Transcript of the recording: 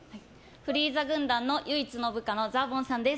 フリーザ軍団の唯一の部下のザーボンさんです。